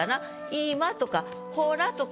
「いま」とか「ほら」とか。